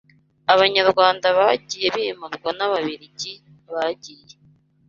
abanyarwanda bagiye bimurwa n’ababiligi bagiye